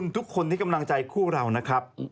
ทุกคนที่กำลังใจคู่เรานะครับ